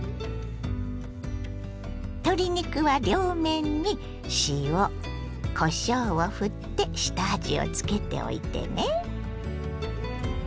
鶏肉は両面に塩こしょうをふって下味をつけておいてね。